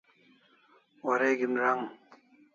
Wareg'in rang